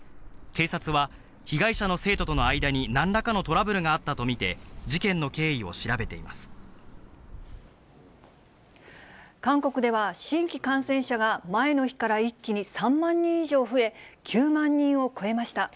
警察は、被害者の生徒との間になんらかのトラブルがあったと見て事件の経韓国では、新規感染者が前の日から一気に３万人以上増え、９万人を超えまし